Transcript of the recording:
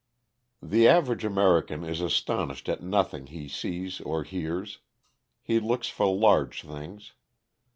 TTHE average American is astonished at nothing ho ^ sees or hears. He looks for large things.